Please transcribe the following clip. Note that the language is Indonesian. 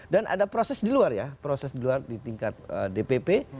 dan ada proses di luar ya proses di luar di tingkat dpp